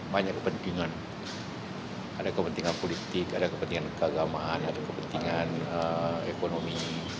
banyak kepentingan ada kepentingan politik ada kepentingan keagamaan ada kepentingan ekonomi